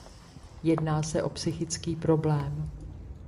Jedná se o psychický problém.